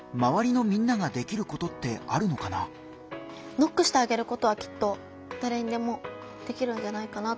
ノックしてあげることはきっとだれにでもできるんじゃないかなって。